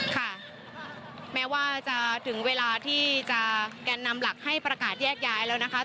ค่ะแม้ว่าจะถึงเวลาที่จะแกนนำหลักให้ประกาศแยกย้ายแล้วนะคะ